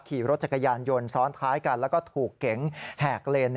ขี่รถจักรยานยนต์ซ้อนท้ายกันแล้วก็ถูกเก๋งแหกเลน